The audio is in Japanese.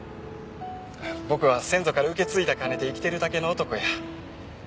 僕は先祖から受け継いだ金で生きてるだけの男や。